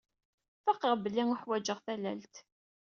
Faqeɣ belli uḥwaǧeɣ tallalt.